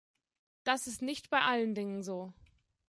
Das ist nicht bei allen Dingen so.